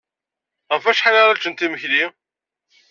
Ɣef wacḥal ara ččent imekli?